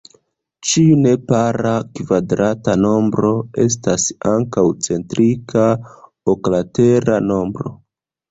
Ĉiu nepara kvadrata nombro estas ankaŭ centrita oklatera nombro.